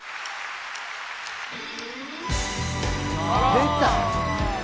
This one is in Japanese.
出た。